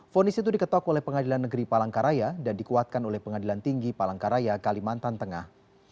fonis itu diketok oleh pengadilan negeri palangkaraya dan dikuatkan oleh pengadilan tinggi palangkaraya kalimantan tengah